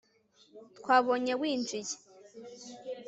Twabonye winjiye